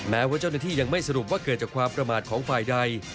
แม้ว่าเจ้าหน้าที่ยังไม่สรุปว่าเกิดจากความประมาทของฝ่ายใด